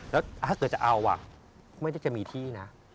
แล้วถ้าเกิดจะเอาไม่ได้จะมีที่นะ